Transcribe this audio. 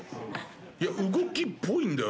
動きっぽいんだよ